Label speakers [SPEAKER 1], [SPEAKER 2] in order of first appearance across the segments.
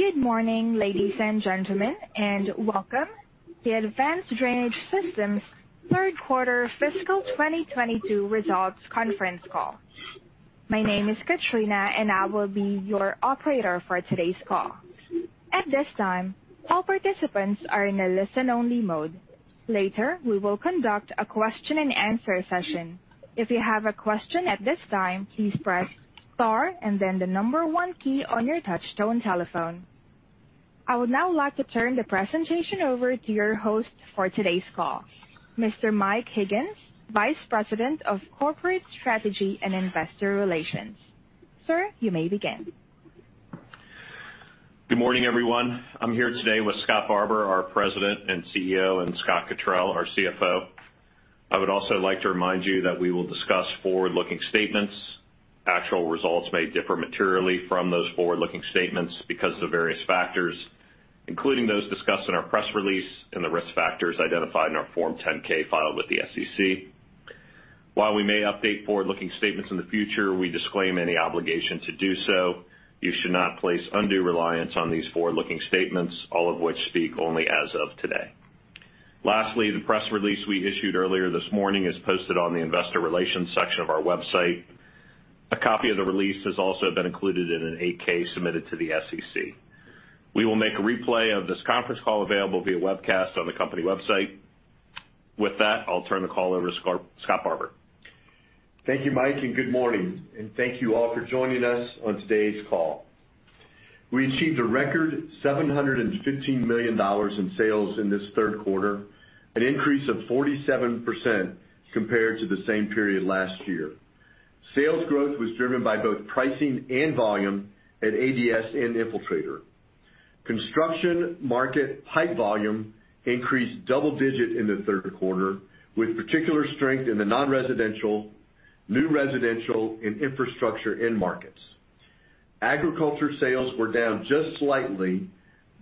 [SPEAKER 1] Good morning, ladies and gentlemen, and welcome to Advanced Drainage Systems' Q3 fiscal 2022 results conference call. My name is Katrina, and I will be your operator for today's call. At this time, all participants are in a listen-only mode. Later, we will conduct a question-and-answer session. If you have a question at this time, please press star and then the number one key on your touchtone telephone. I would now like to turn the presentation over to your host for today's call, Mr. Mike Higgins, Vice President of Corporate Strategy and Investor Relations. Sir, you may begin.
[SPEAKER 2] Good morning, everyone. I'm here today with Scott Barbour, our President and CEO, and Scott Cottrill, our CFO. I would also like to remind you that we will discuss forward-looking statements. Actual results may differ materially from those forward-looking statements because of the various factors, including those discussed in our press release and the risk factors identified in our Form 10-K filed with the SEC. While we may update forward-looking statements in the future, we disclaim any obligation to do so. You should not place undue reliance on these forward-looking statements, all of which speak only as of today. Lastly, the press release we issued earlier this morning is posted on the investor relations section of our website. A copy of the release has also been included in an 8-K submitted to the SEC. We will make a replay of this conference call available via webcast on the company website. With that, I'll turn the call over to Scott Barbour.
[SPEAKER 3] Thank you, Mike, and good morning, and thank you all for joining us on today's call. We achieved a record $715 million in sales in this Q3, an increase of 47% compared to the same period last year. Sales growth was driven by both pricing and volume at ADS and Infiltrator. Construction market pipe volume increased double-digit in the Q3, with particular strength in the non-residential, new residential, and infrastructure end markets. Agriculture sales were down just slightly,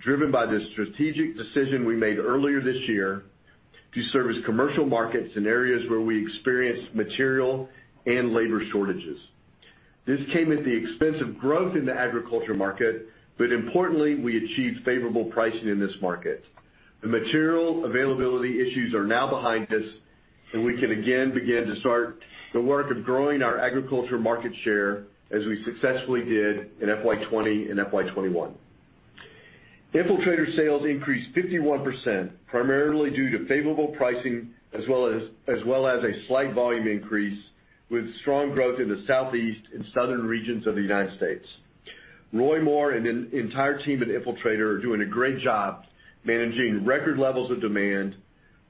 [SPEAKER 3] driven by the strategic decision we made earlier this year to service commercial markets in areas where we experienced material and labor shortages. This came at the expense of growth in the agriculture market, but importantly, we achieved favorable pricing in this market. The material availability issues are now behind us, and we can again begin to start the work of growing our agriculture market share as we successfully did in FY 2020 and FY 2021. Infiltrator sales increased 51%, primarily due to favorable pricing, as well as a slight volume increase with strong growth in the southeast and southern regions of the U.S. Roy Moore and an entire team at Infiltrator are doing a great job managing record levels of demand,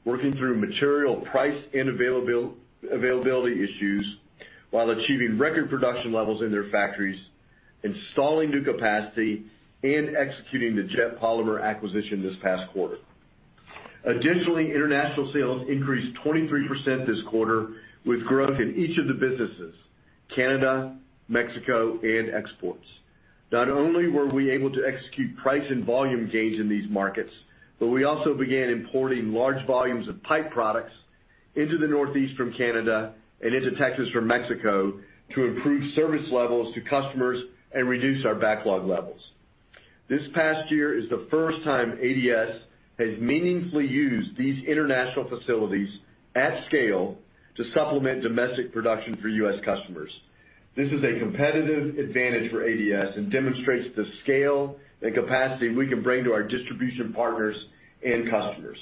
[SPEAKER 3] working through material price and availability issues while achieving record production levels in their factories, installing new capacity, and executing the Jet Polymer acquisition this past quarter. Additionally, international sales increased 23% this quarter with growth in each of the businesses, Canada, Mexico, and exports. Not only were we able to execute price and volume gains in these markets, but we also began importing large volumes of pipe products into the Northeast from Canada and into Texas from Mexico to improve service levels to customers and reduce our backlog levels. This past year is the first time ADS has meaningfully used these international facilities at scale to supplement domestic production for U.S. customers. This is a competitive advantage for ADS and demonstrates the scale and capacity we can bring to our distribution partners and customers.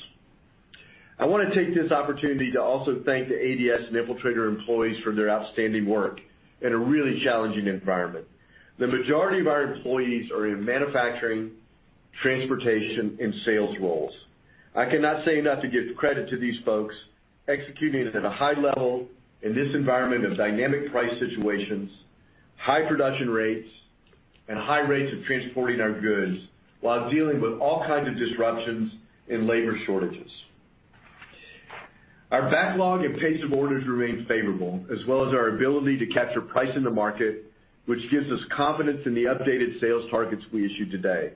[SPEAKER 3] I wanna take this opportunity to also thank the ADS and Infiltrator employees for their outstanding work in a really challenging environment. The majority of our employees are in manufacturing, transportation, and sales roles. I cannot say enough to give credit to these folks executing at a high level in this environment of dynamic price situations, high production rates, and high rates of transporting our goods while dealing with all kinds of disruptions and labor shortages. Our backlog and pace of orders remains favorable, as well as our ability to capture price in the market, which gives us confidence in the updated sales targets we issued today.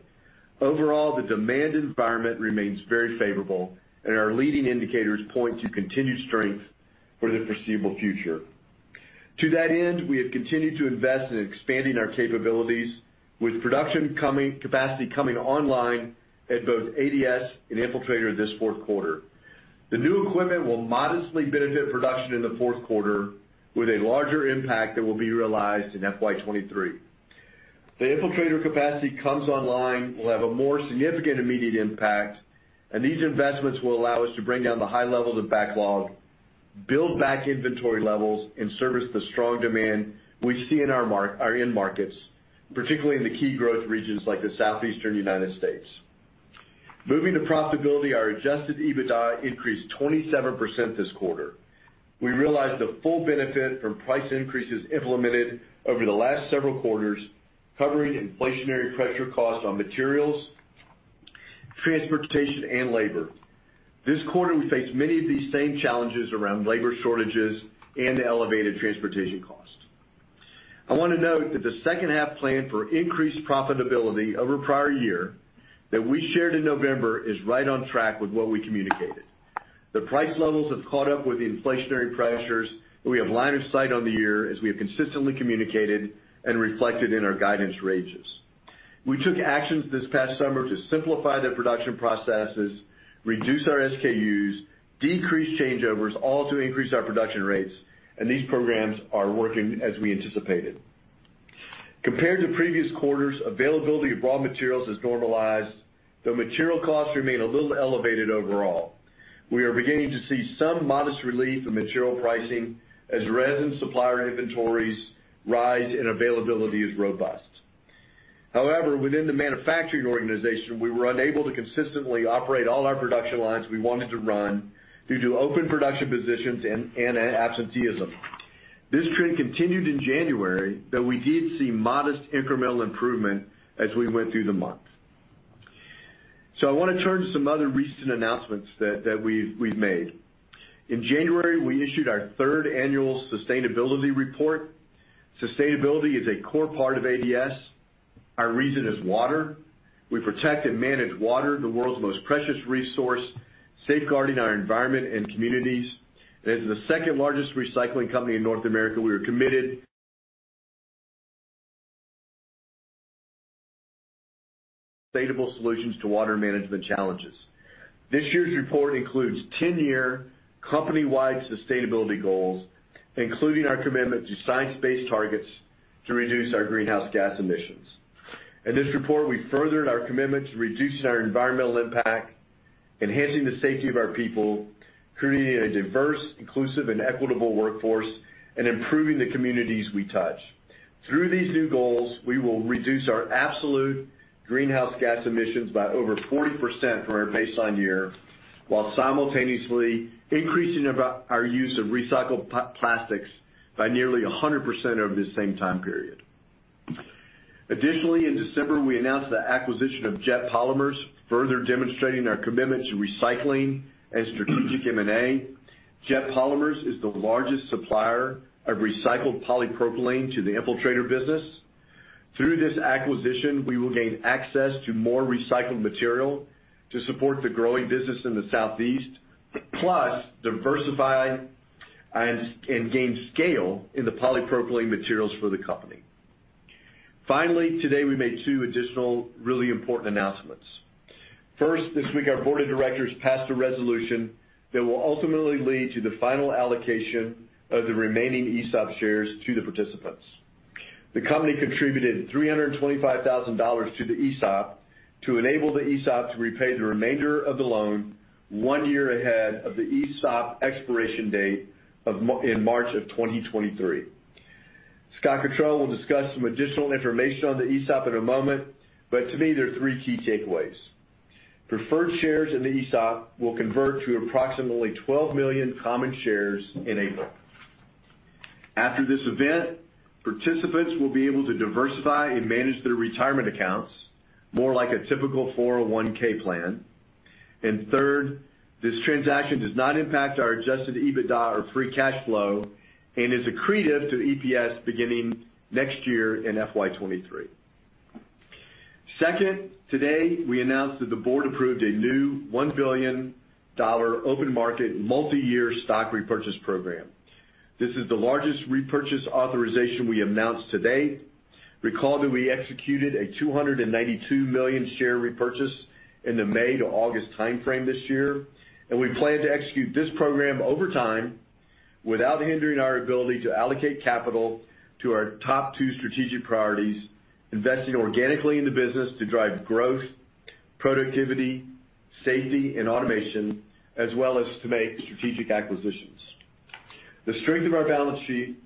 [SPEAKER 3] Overall, the demand environment remains very favorable, and our leading indicators point to continued strength for the foreseeable future. To that end, we have continued to invest in expanding our capabilities with capacity coming online at both ADS and Infiltrator this Q4. The new equipment will modestly benefit production in the Q4 with a larger impact that will be realized in FY 2023. The Infiltrator capacity comes online, will have a more significant immediate impact, and these investments will allow us to bring down the high levels of backlog, build back inventory levels, and service the strong demand we see in our end markets, particularly in the key growth regions like the Southeastern United States. Moving to profitability, our adjusted EBITDA increased 27% this quarter. We realized the full benefit from price increases implemented over the last several quarters, covering inflationary pressure costs on materials, transportation, and labor. This quarter, we faced many of these same challenges around labor shortages and elevated transportation costs. I wanna note that the second half plan for increased profitability over prior year that we shared in November is right on track with what we communicated. The price levels have caught up with the inflationary pressures, and we have line of sight on the year as we have consistently communicated and reflected in our guidance ranges. We took actions this past summer to simplify the production processes, reduce our SKUs, decrease changeovers, all to increase our production rates, and these programs are working as we anticipated. Compared to previous quarters, availability of raw materials has normalized, though material costs remain a little elevated overall. We are beginning to see some modest relief in material pricing as resin supplier inventories rise and availability is robust. However, within the manufacturing organization, we were unable to consistently operate all our production lines we wanted to run due to open production positions and absenteeism. This trend continued in January, though we did see modest incremental improvement as we went through the month. I want to turn to some other recent announcements that we've made. In January, we issued our third annual sustainability report. Sustainability is a core part of ADS. Our reason is water. We protect and manage water, the world's most precious resource, safeguarding our environment and communities. As the second-largest recycling company in North America, we are committed to sustainable solutions to water management challenges. This year's report includes ten-year company-wide sustainability goals, including our commitment to Science Based Targets to reduce our greenhouse gas emissions. In this report, we furthered our commitment to reducing our environmental impact, enhancing the safety of our people, creating a diverse, inclusive, and equitable workforce, and improving the communities we touch. Through these new goals, we will reduce our absolute greenhouse gas emissions by over 40% from our baseline year, while simultaneously increasing our use of recycled plastics by nearly 100% over the same time period. Additionally, in December, we announced the acquisition of Jet Polymer Recycling, further demonstrating our commitment to recycling and strategic M&A. Jet Polymer Recycling is the largest supplier of recycled polypropylene to the Infiltrator business. Through this acquisition, we will gain access to more recycled material to support the growing business in the southeast, plus diversify and gain scale in the polypropylene materials for the company. Finally, today we made 2 additional really important announcements. First, this week our board of directors passed a resolution that will ultimately lead to the final allocation of the remaining ESOP shares to the participants. The company contributed $325,000 to the ESOP to enable the ESOP to repay the remainder of the loan one year ahead of the ESOP expiration date in March of 2023. Scott Cottrill will discuss some additional information on the ESOP in a moment, but to me, there are three key takeaways. Preferred shares in the ESOP will convert to approximately 12 million common shares in April. After this event, participants will be able to diversify and manage their retirement accounts more like a typical 401 plan. Third, this transaction does not impact our adjusted EBITDA or free cash flow and is accretive to the EPS beginning next year in FY 2023. Second, today we announced that the board approved a new $1 billion open market multiyear stock repurchase program. This is the largest repurchase authorization we announced to date. Recall that we executed a $292 million share repurchase in the May to August timeframe this year, and we plan to execute this program over time without hindering our ability to allocate capital to our top two strategic priorities, investing organically in the business to drive growth, productivity, safety, and automation, as well as to make strategic acquisitions. The strength of our balance sheet,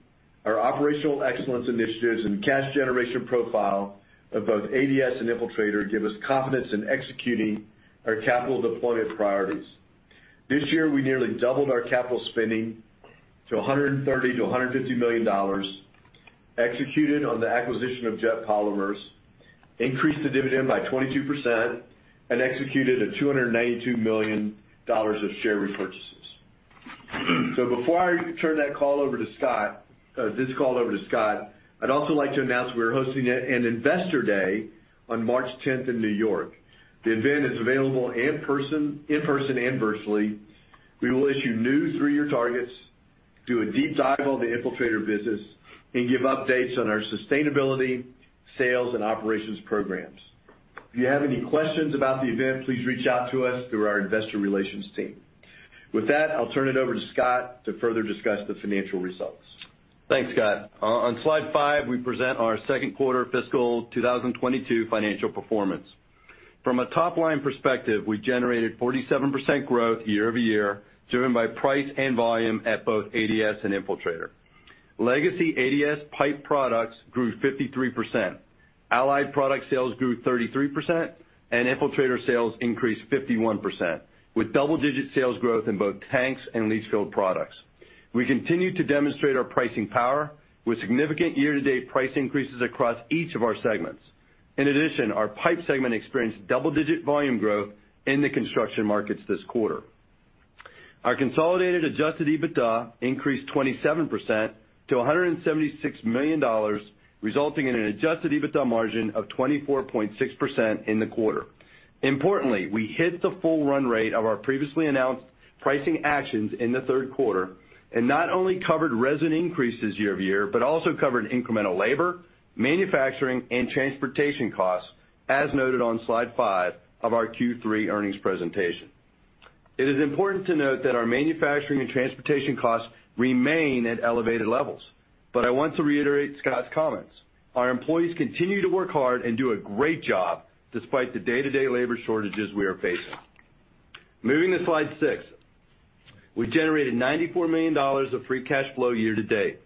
[SPEAKER 3] our operational excellence initiatives, and cash generation profile of both ADS and Infiltrator give us confidence in executing our capital deployment priorities. This year, we nearly doubled our capital spending to $130 million-$150 million, executed on the acquisition of Jet Polymer Recycling, increased the dividend by 22%, and executed $292 million of share repurchases. Before I turn the call over to Scott, I'd also like to announce we're hosting an Investor Day on March 10 in New York. The event is available in person and virtually. We will issue new three-year targets, do a deep dive on the Infiltrator business, and give updates on our sustainability, sales, and operations programs. If you have any questions about the event, please reach out to us through our investor relations team. With that, I'll turn it over to Scott to further discuss the financial results.
[SPEAKER 4] Thanks, Scott. On slide five, we present our Q2 fiscal 2022 financial performance. From a top-line perspective, we generated 47% growth year-over-year, driven by price and volume at both ADS and Infiltrator. Legacy ADS pipe products grew 53%. Allied product sales grew 33%, and Infiltrator sales increased 51%, with double-digit sales growth in both tanks and leach field products. We continue to demonstrate our pricing power with significant year-to-date price increases across each of our segments. In addition, our pipe segment experienced double-digit volume growth in the construction markets this quarter. Our consolidated adjusted EBITDA increased 27% to $176 million, resulting in an adjusted EBITDA margin of 24.6% in the quarter. Importantly, we hit the full run rate of our previously announced pricing actions in the Q3, and not only covered resin increases year-over-year, but also covered incremental labor, manufacturing and transportation costs, as noted on slide five of our Q3 earnings presentation. It is important to note that our manufacturing and transportation costs remain at elevated levels. I want to reiterate Scott's comments. Our employees continue to work hard and do a great job despite the day-to-day labor shortages we are facing. Moving to slide six. We generated $94 million of free cash flow year-to-date.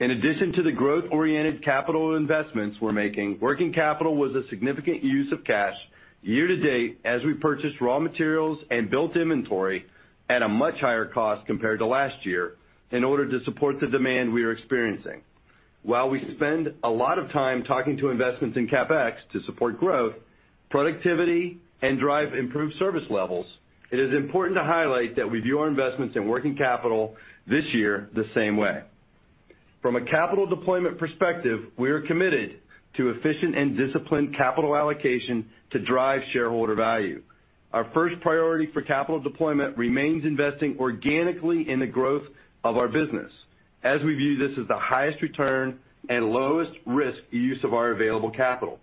[SPEAKER 4] In addition to the growth-oriented capital investments we're making, working capital was a significant use of cash year-to-date as we purchased raw materials and built inventory at a much higher cost compared to last year in order to support the demand we are experiencing. While we spend a lot of time talking to investments in CapEx to support growth, productivity, and drive improved service levels, it is important to highlight that we view our investments in working capital this year the same way. From a capital deployment perspective, we are committed to efficient and disciplined capital allocation to drive shareholder value. Our first priority for capital deployment remains investing organically in the growth of our business as we view this as the highest return and lowest risk use of our available capital.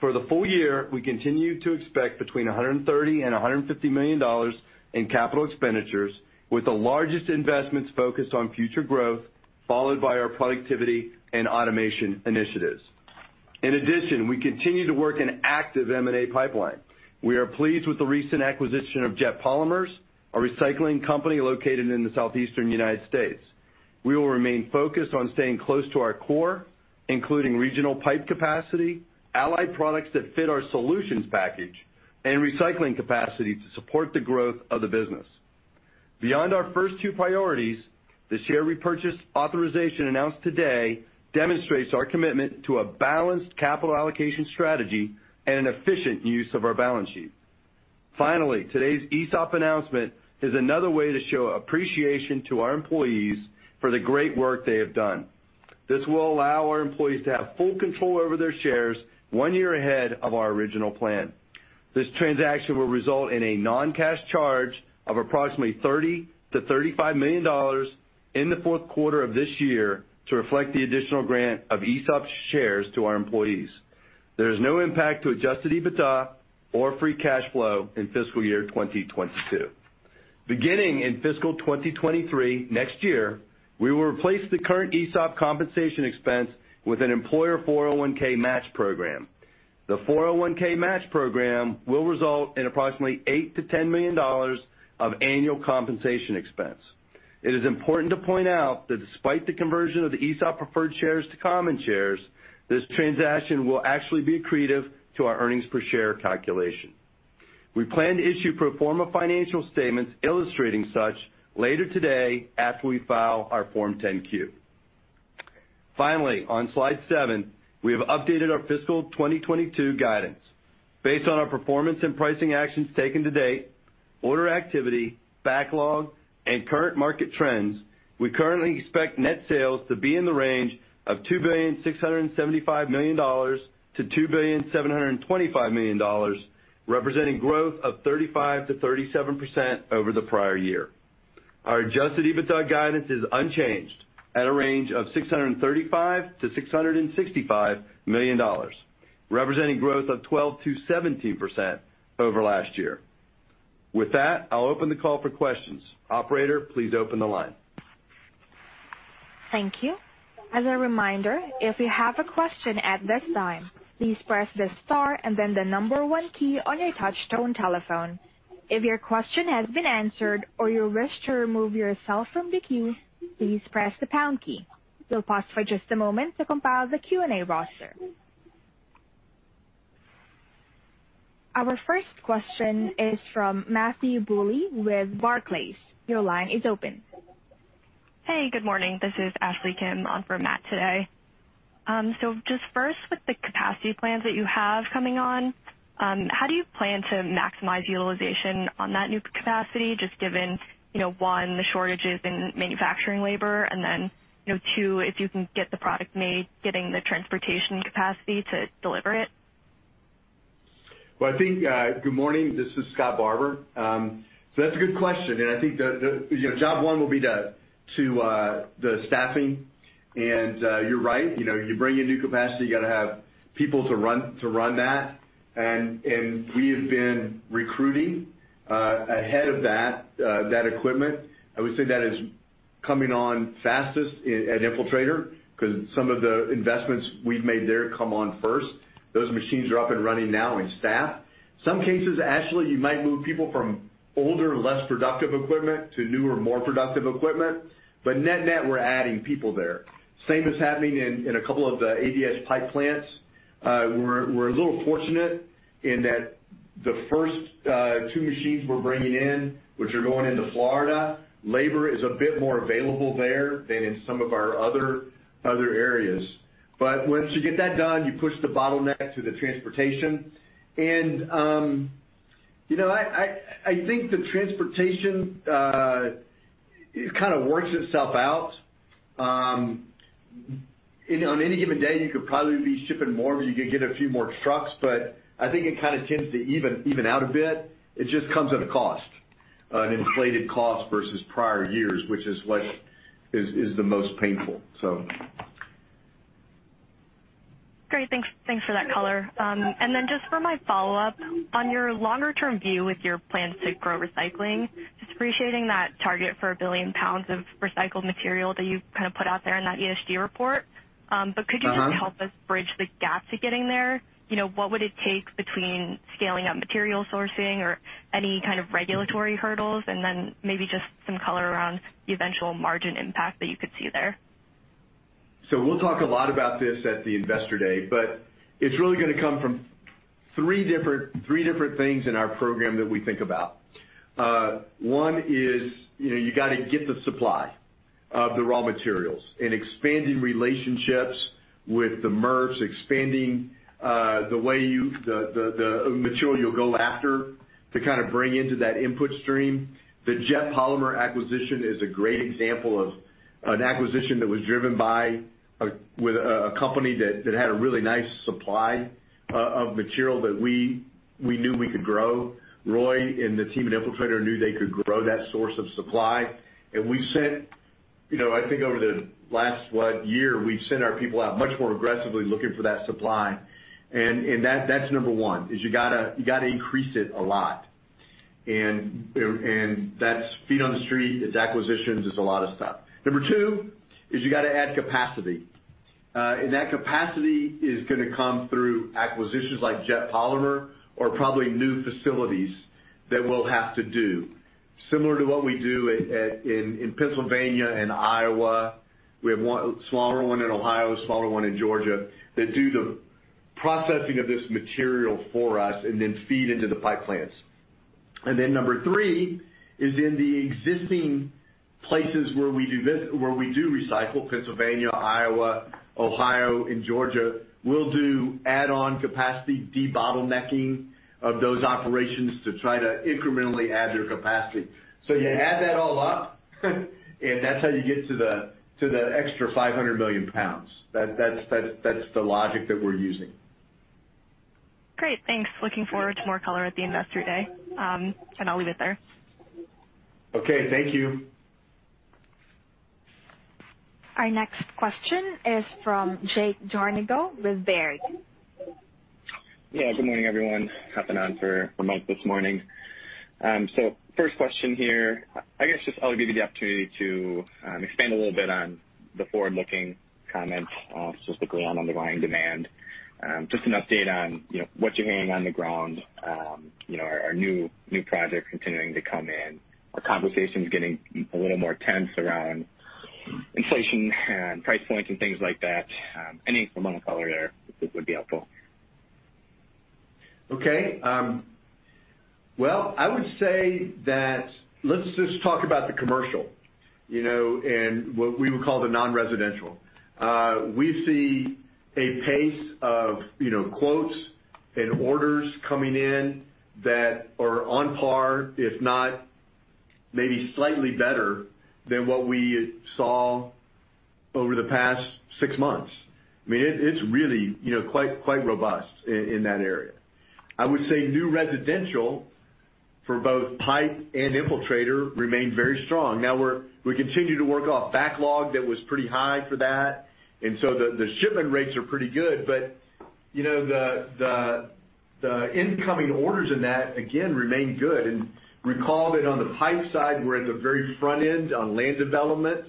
[SPEAKER 4] For the full year, we continue to expect between $130 million and $150 million in capital expenditures, with the largest investments focused on future growth, followed by our productivity and automation initiatives. In addition, we continue to work on an active M&A pipeline. We are pleased with the recent acquisition of Jet Polymer Recycling, a recycling company located in the Southeastern United States. We will remain focused on staying close to our core, including regional pipe capacity, allied products that fit our solutions package, and recycling capacity to support the growth of the business. Beyond our first two priorities, the share repurchase authorization announced today demonstrates our commitment to a balanced capital allocation strategy and an efficient use of our balance sheet. Finally, today's ESOP announcement is another way to show appreciation to our employees for the great work they have done. This will allow our employees to have full control over their shares one year ahead of our original plan. This transaction will result in a non-cash charge of approximately $30 million-$35 million in the Q4 of this year to reflect the additional grant of ESOP shares to our employees. There is no impact to adjusted EBITDA or free cash flow in fiscal year 2022. Beginning in fiscal 2023, next year, we will replace the current ESOP compensation expense with an employer 401(k) match program. The 401(k) match program will result in approximately $8 million-$10 million of annual compensation expense. It is important to point out that despite the conversion of the ESOP preferred shares to common shares, this transaction will actually be accretive to our earnings per share calculation. We plan to issue pro forma financial statements illustrating such later today after we file our Form 10-Q. Finally, on slide seven, we have updated our fiscal 2022 guidance. Based on our performance and pricing actions taken to date, order activity, backlog, and current market trends, we currently expect net sales to be in the range of $2.675 billion-$2.725 billion, representing growth of 35%-37% over the prior year. Our adjusted EBITDA guidance is unchanged at a range of $635 million-$665 million, representing growth of 12%-17% over last year. With that, I'll open the call for questions. Operator, please open the line.
[SPEAKER 1] Thank you. As a reminder, if you have a question at this time, please press the star and then the number one key on your touchtone telephone. If your question has been answered or you wish to remove yourself from the queue, please press the pound key. We'll pause for just a moment to compile the Q&A roster. Our first question is from Matthew Bouley with Barclays. Your line is open.
[SPEAKER 5] Hey, good morning. This is Ashley Kim on for Matt today. Just first with the capacity plans that you have coming on, how do you plan to maximize utilization on that new capacity, just given, you know, one, the shortages in manufacturing labor, and then, you know, two, if you can get the product made, getting the transportation capacity to deliver it?
[SPEAKER 3] Well, I think good morning. This is Scott Barbour. So that's a good question. I think the you know job one will be to the staffing. You're right, you know, you bring in new capacity, you gotta have people to run that. We have been recruiting ahead of that equipment. I would say that is coming on fastest at Infiltrator because some of the investments we've made there come on first. Those machines are up and running now and staffed. Some cases, Ashley, you might move people from older, less productive equipment to newer, more productive equipment. Net-net, we're adding people there. Same is happening in a couple of the ADS pipe plants. We're a little fortunate in that the first two machines we're bringing in, which are going into Florida, labor is a bit more available there than in some of our other areas. Once you get that done, you push the bottleneck to the transportation. You know, I think the transportation it kind of works itself out. You know, on any given day, you could probably be shipping more if you could get a few more trucks, but I think it kind of tends to even out a bit. It just comes at a cost, an inflated cost versus prior years, which is what is the most painful.
[SPEAKER 5] Great. Thanks for that color. Just for my follow-up, on your longer-term view with your plan to grow recycling, just appreciating that target for 1 billion pounds of recycled material that you kind of put out there in that ESG report. Could you just help us bridge the gap to getting there? You know, what would it take between scaling up material sourcing or any kind of regulatory hurdles, and then maybe just some color around the eventual margin impact that you could see there?
[SPEAKER 3] We'll talk a lot about this at the Investor Day, but it's really gonna come from three different things in our program that we think about. One is, you know, you gotta get the supply of the raw materials and expanding relationships with the MRFs, expanding the material you'll go after to kind of bring into that input stream. The Jet Polymer acquisition is a great example of an acquisition that was driven by a company that had a really nice supply of material that we knew we could grow. Roy and the team at Infiltrator knew they could grow that source of supply. You know, I think over the last year, we've sent our people out much more aggressively looking for that supply. That's number one, is you gotta increase it a lot. That's feet on the street, it's acquisitions, it's a lot of stuff. Number two is you gotta add capacity. That capacity is gonna come through acquisitions like Jet Polymer or probably new facilities that we'll have to do. Similar to what we do in Pennsylvania and Iowa, we have one smaller one in Ohio, a smaller one in Georgia, that do the processing of this material for us and then feed into the pipe plants. Number three is in the existing places where we do recycle, Pennsylvania, Iowa, Ohio, and Georgia, we'll do add-on capacity debottlenecking of those operations to try to incrementally add to capacity. You add that all up, and that's how you get to the extra 500 million lbs. That's the logic that we're using.
[SPEAKER 5] Great. Thanks. Looking forward to more color at the Investor Day. I'll leave it there.
[SPEAKER 3] Okay. Thank you.
[SPEAKER 1] Our next question is from John Lovallo with Leidar.
[SPEAKER 6] Yeah, good morning, everyone. Hopping on for Ramon this morning. So first question here. I guess just I'll give you the opportunity to expand a little bit on the forward-looking comments, specifically on underlying demand. Just an update on, you know, what you're hearing on the ground, you know, are new projects continuing to come in? Are conversations getting a little more tense around inflation and price points and things like that? Any amount of color there would be helpful.
[SPEAKER 3] Okay. Well, I would say that let's just talk about the commercial, you know, and what we would call the non-residential. We see a pace of, you know, quotes and orders coming in that are on par, if not maybe slightly better than what we saw over the past six months. I mean, it's really, you know, quite robust in that area. I would say new residential for both pipe and Infiltrator remain very strong. Now, we continue to work off backlog that was pretty high for that. The incoming orders in that again remain good. Recall that on the pipe side, we're at the very front end on land development.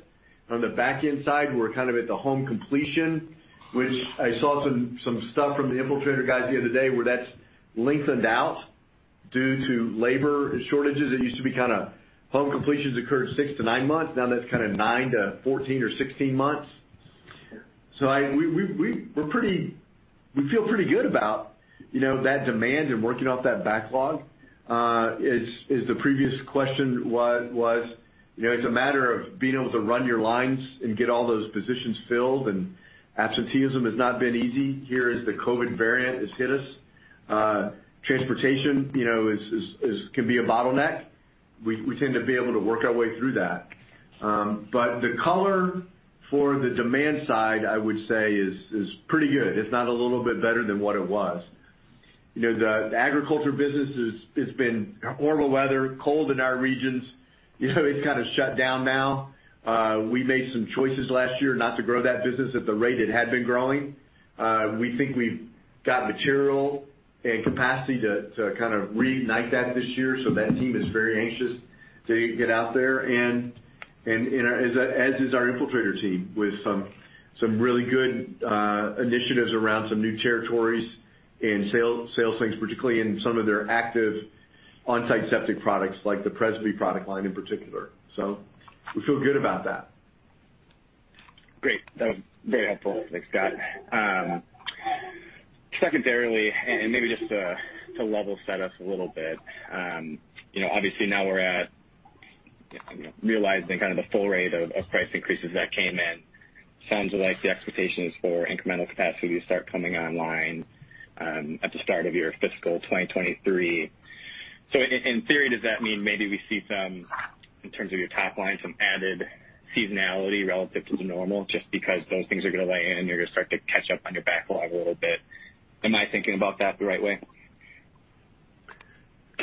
[SPEAKER 3] On the back end side, we're kind of at the home completion, which I saw some stuff from the Infiltrator guys the other day where that's lengthened out due to labor shortages. It used to be kinda home completions occurred six-nine months. Now, that's kinda 9-14 or 16 months. We feel pretty good about, you know, that demand and working off that backlog. As the previous question was, you know, it's a matter of being able to run your lines and get all those positions filled, and absenteeism has not been easy. Here, as the COVID variant has hit us, transportation, you know, can be a bottleneck. We tend to be able to work our way through that. The color for the demand side, I would say is pretty good. If not a little bit better than what it was. You know, the agriculture business has seen horrible weather, cold in our regions. You know it's kinda shut down now. We made some choices last year not to grow that business at the rate it had been growing. We think we've got material and capacity to kind of reignite that this year, so that team is very anxious to get out there and as is our Infiltrator team with some really good initiatives around some new territories and sales things, particularly in some of their active on-site septic products like the Presby product line in particular. We feel good about that.
[SPEAKER 6] Great. That was very helpful. Thanks, Scott. Secondarily, maybe just to level set us a little bit, you know, obviously now we're at, you know, realizing kind of the full rate of price increases that came in. Sounds like the expectations for incremental capacity start coming online, at the start of your fiscal 2023. In theory, does that mean maybe we see some, in terms of your top line, some added seasonality relative to the normal just because those things are gonna lay in, you're gonna start to catch up on your backlog a little bit? Am I thinking about that the right way?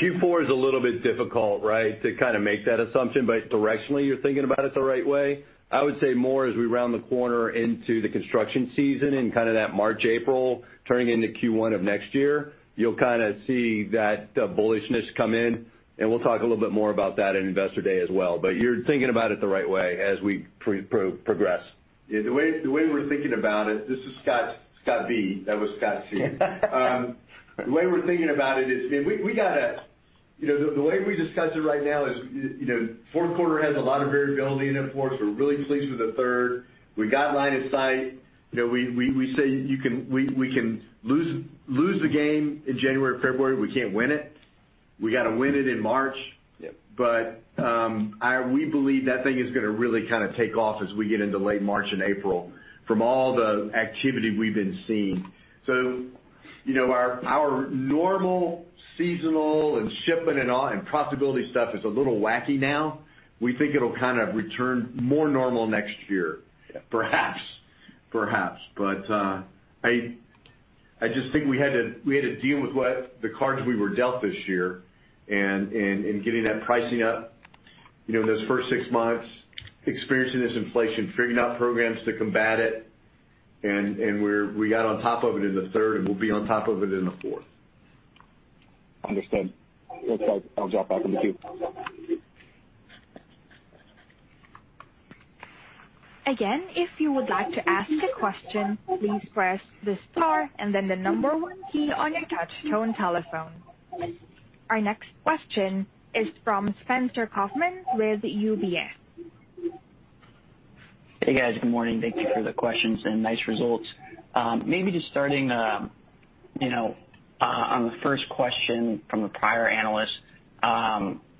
[SPEAKER 4] Q4 is a little bit difficult, right, to kinda make that assumption. Directionally, you're thinking about it the right way. I would say more as we round the corner into the construction season in kinda that March, April, turning into Q1 of next year, you'll kinda see that, bullishness come in, and we'll talk a little bit more about that in Investor Day as well. You're thinking about it the right way as we progress.
[SPEAKER 3] Yeah. The way we're thinking about it. This is Scott Barbour. That was Scott Cottrill. The way we're thinking about it is, we gotta. You know, the way we discuss it right now is, you know, Q4 has a lot of variability in it for us. We're really pleased with the third. We got line of sight. You know, we say we can lose the game in January, February, we can't win it. We gotta win it in March.
[SPEAKER 4] Yep.
[SPEAKER 3] We believe that thing is gonna really kinda take off as we get into late March and April from all the activity we've been seeing. You know, our normal seasonal and shipping and all, and profitability stuff is a little wacky now. We think it'll kind of return more normal next year.
[SPEAKER 4] Yeah.
[SPEAKER 3] Perhaps. But I just think we had to deal with what the cards we were dealt this year and getting that pricing up, you know, in this first six months, experiencing this inflation, figuring out programs to combat it, and we got on top of it in the third, and we'll be on top of it in the fourth.
[SPEAKER 6] Understood. I'll drop off in the queue.
[SPEAKER 1] Our next question is from Garik Shmois with UBS.
[SPEAKER 7] Hey, guys. Good morning. Thank you for the questions and nice results. Maybe just starting, you know, on the first question from the prior analyst,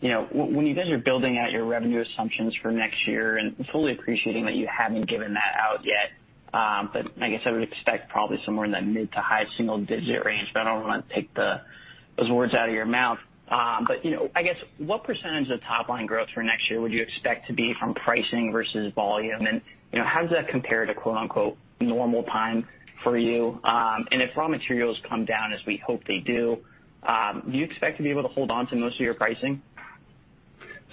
[SPEAKER 7] you know, when you guys are building out your revenue assumptions for next year and fully appreciating that you haven't given that out yet, but I guess I would expect probably somewhere in the mid- to high-single-digit range, but I don't wanna take those words out of your mouth. You know, I guess what percentage of top line growth for next year would you expect to be from pricing versus volume? You know, how does that compare to quote-unquote "normal time" for you? If raw materials come down as we hope they do you expect to be able to hold on to most of your pricing?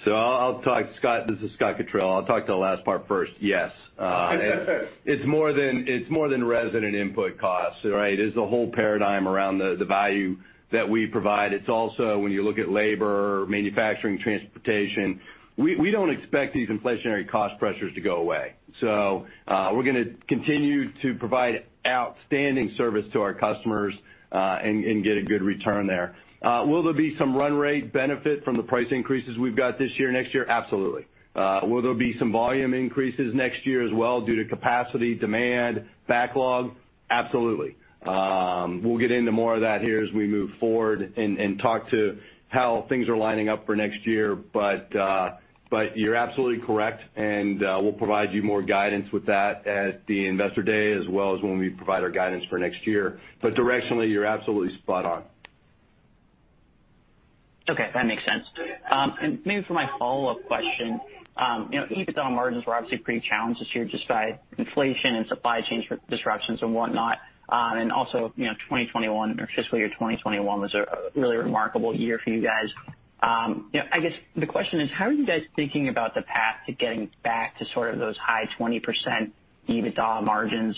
[SPEAKER 4] I'll talk. Scott, this is Scott Cottrill. I'll talk to the last part first. Yes. It's more than resin and input costs, right? There's a whole paradigm around the value that we provide. It's also when you look at labor, manufacturing, transportation. We don't expect these inflationary cost pressures to go away. We're gonna continue to provide outstanding service to our customers, and get a good return there. Will there be some run rate benefit from the price increases we've got this year, next year? Absolutely. Will there be some volume increases next year as well due to capacity, demand, backlog? Absolutely. We'll get into more of that here as we move forward and talk to how things are lining up for next year. You're absolutely correct, and we'll provide you more guidance with that at the Investor Day, as well as when we provide our guidance for next year. Directionally, you're absolutely spot on.
[SPEAKER 7] Okay, that makes sense. Maybe for my follow-up question. You know, EBITDA margins were obviously pretty challenged this year just by inflation and supply chain disruptions and whatnot. Also, you know, 2021, or fiscal year 2021 was a really remarkable year for you guys. You know, I guess the question is, how are you guys thinking about the path to getting back to sort of those high 20% EBITDA margins?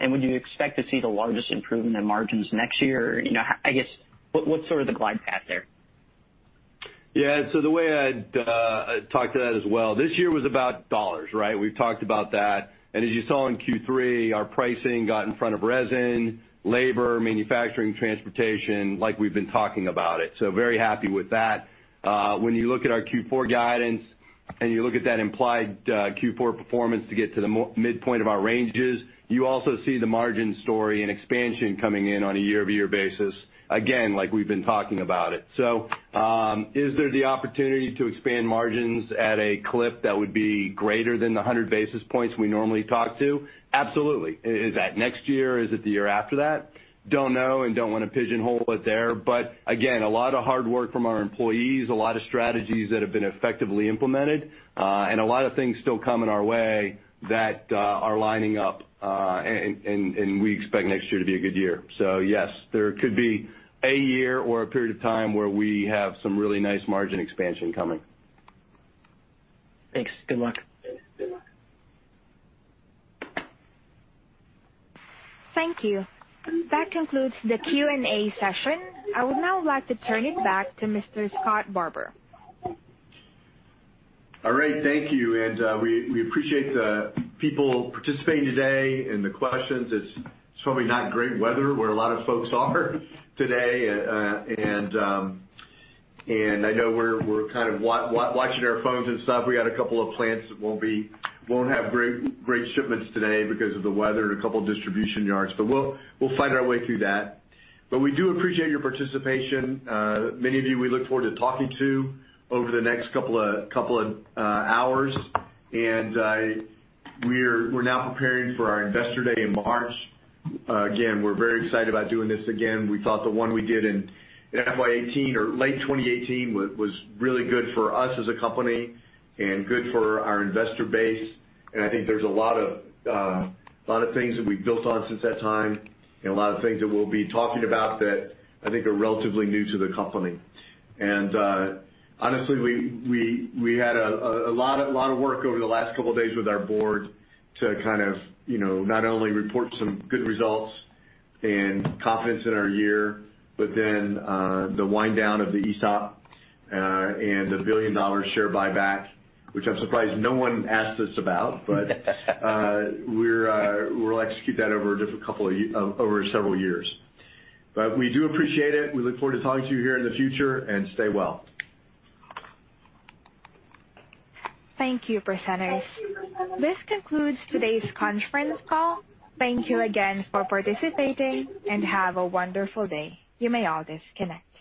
[SPEAKER 7] Would you expect to see the largest improvement in margins next year? You know, I guess, what's sort of the glide path there?
[SPEAKER 4] Yeah. The way I'd talk to that as well. This year was about dollars, right? We've talked about that. As you saw in Q3, our pricing got in front of resin, labor, manufacturing, transportation like we've been talking about it. Very happy with that. When you look at our Q4 guidance and you look at that implied Q4 performance to get to the midpoint of our ranges, you also see the margin story and expansion coming in on a year-over-year basis, again, like we've been talking about it. Is there the opportunity to expand margins at a clip that would be greater than the 100 basis points we normally talk to? Absolutely. Is that next year? Is it the year after that? Don't know and don't wanna pigeonhole it there. Again, a lot of hard work from our employees, a lot of strategies that have been effectively implemented, and a lot of things still coming our way that are lining up. We expect next year to be a good year. Yes, there could be a year or a period of time where we have some really nice margin expansion coming.
[SPEAKER 7] Thanks. Good luck.
[SPEAKER 1] Thank you. That concludes the Q&A session. I would now like to turn it back to Mr. Scott Barbour.
[SPEAKER 3] All right. Thank you. We appreciate the people participating today and the questions. It's probably not great weather where a lot of folks are today. I know we're kind of watching our phones and stuff. We got a couple of plants that won't have great shipments today because of the weather and a couple of distribution yards, but we'll find our way through that. We do appreciate your participation. Many of you we look forward to talking to over the next couple of hours. We're now preparing for our Investor Day in March. Again, we're very excited about doing this again. We thought the one we did in FY 2018 or late 2018 was really good for us as a company and good for our investor base, and I think there's a lot of things that we've built on since that time and a lot of things that we'll be talking about that I think are relatively new to the company. Honestly, we had a lot of work over the last couple of days with our board to kind of you know not only report some good results and confidence in our year, but the wind down of the ESOP and the billion-dollar share buyback, which I'm surprised no one asked us about. We'll execute that over several years. We do appreciate it. We look forward to talking to you here in the future, and stay well.
[SPEAKER 1] Thank you, presenters. This concludes today's conference call. Thank you again for participating and have a wonderful day. You may all disconnect.